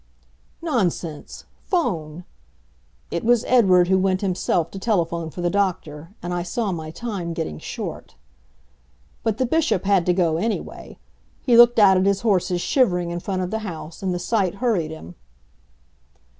"Nonsense 'phone." It was Edward who went himself to telephone for the doctor, and I saw my time getting short. But the Bishop had to go, anyway. He looked out at his horses shivering in front of the house, and the sight hurried him.